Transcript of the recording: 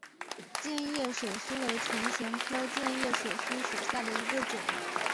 箭叶水苏为唇形科箭叶水苏属下的一个种。